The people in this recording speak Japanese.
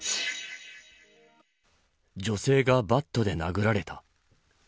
女性がバットで殴られた。